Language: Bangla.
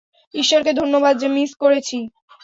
ঈশ্বরকে ধন্যবাদ যে মিস করেছি!